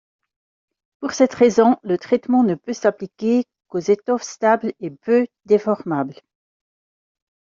Pour cette raison, le traitement ne peut s'appliquer qu'aux étoffes stables et peu déformables.